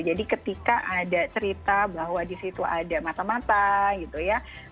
jadi ketika ada cerita bahwa di situ ada mata mata gitu ya